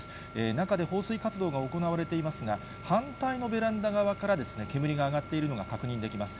中で放水活動が行われていますが、反対のベランダ側から煙が上がっているのが確認できます。